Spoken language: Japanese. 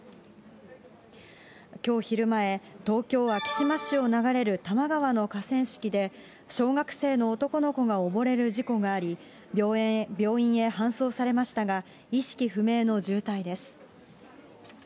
きょう昼前、東京・昭島市を流れる多摩川の河川敷で、小学生の男の子が溺れる事故があり、病院へ搬送されましたが、意識不明の重体です。